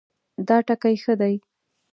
دا ټکی ښه دی